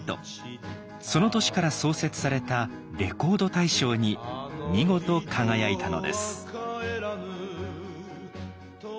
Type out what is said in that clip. その年から創設されたレコード大賞に見事輝いたのです。